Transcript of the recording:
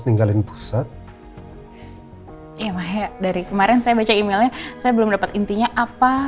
ninggalin pusat ya mahe dari kemarin saya baca emailnya saya belum dapat intinya apa